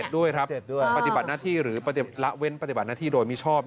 ด้วยครับปฏิบัติหน้าที่หรือละเว้นปฏิบัติหน้าที่โดยมิชอบ